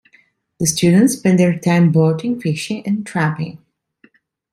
The students spent their time boating, fishing, and trapping.